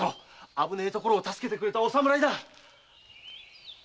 危ねえところ助けてくれたお侍だ。